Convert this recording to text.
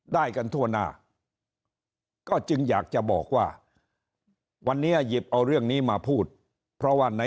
ได้กันทั่วหน้าก็จึงอยากจะบอกว่าวันนี้หยิบเอาเรื่องนี้มาพูดเพราะว่าใน